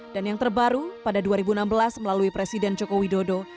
dan yang terbaru pada dua ribu enam belas melalui presiden joko widodo